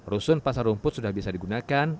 rusun pasar rumput sudah bisa digunakan